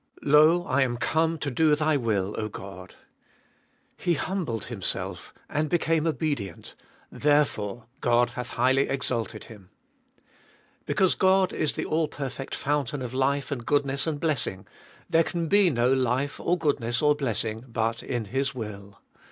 Lo, I am come to do Thy will, 0 God. " He humbled Him self, and became obedient — therefore God hath highly exalted Him." Because God is the all perfect fountain of life and goodness and blessing, there can be no life or goodness or blessing but in His will.